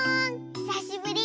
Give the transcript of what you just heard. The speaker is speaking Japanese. ひさしぶり。